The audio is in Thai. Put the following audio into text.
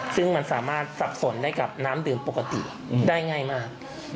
ซึ่งมันสามารถสับสนได้กับน้ำดื่มปกติได้ง่ายมาก